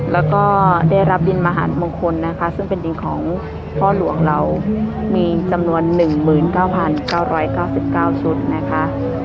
แล้วก็ได้รับดินมหามงคลนะคะซึ่งเป็นดินของพ่อหลวงเรามีจำนวน๑๙๙๙๙ชุดนะคะ